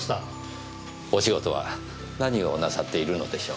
お仕事は何をなさっているのでしょう？